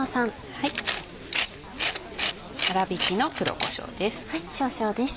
粗びきの黒こしょうです。